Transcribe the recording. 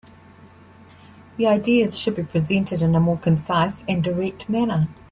The ideas should be presented in a more concise and direct manner.